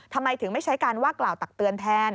ทำไมถึงไม่ใช้การว่ากล่าวตักเตือนแทน